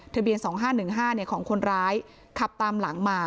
ทะเบียน๒๕๑๕ของคนร้ายขับตามหลังมา